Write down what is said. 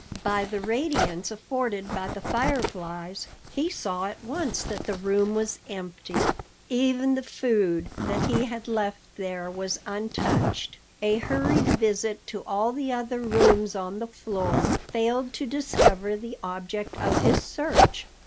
By the radiance afforded by the fireflies, he saw at once that the room was empty. Even the food that he had left there was untouched. A hurried visit to all the other rooms on the floor failed to discover the object of his search.